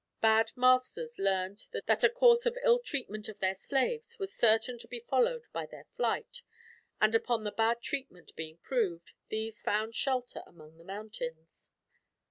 Bad masters learned that a course of ill treatment of their slaves was certain to be followed by their flight, and upon the bad treatment being proved, these found shelter among the mountains.